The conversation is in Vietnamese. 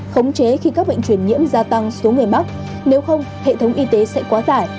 khống chế khi các bệnh truyền nhiễm gia tăng xuống người bắc nếu không hệ thống y tế sẽ quá tải